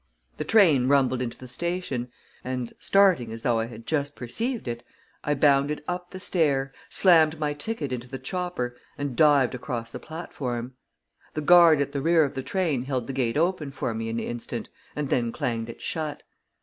The train rumbled into the station, and, starting as though I had just perceived it, I bounded up the stair, slammed my ticket into the chopper, and dived across the platform. The guard at the rear of the train held the gate open for me an instant, and then clanged it shut.